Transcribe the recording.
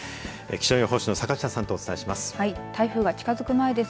気象予報士の坂下さんとお伝えします。